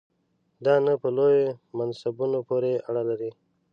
دا نه په لویو منصبونو پورې اړه لري.